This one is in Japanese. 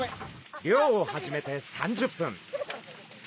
漁を始めて３０分。